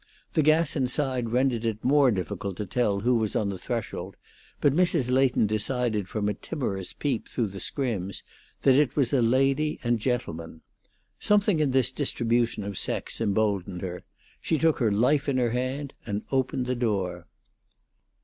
The gas inside rendered it more difficult to tell who was on the threshold, but Mrs. Leighton decided from a timorous peep through the scrims that it was a lady and gentleman. Something in this distribution of sex emboldened her; she took her life in her hand, and opened the door.